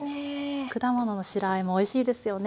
果物の白あえもおいしいですよね。